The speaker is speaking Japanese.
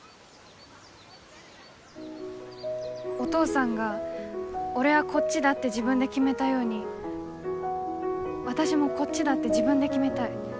お父さんが俺はこっちだって自分で決めたように私もこっちだって自分で決めたい。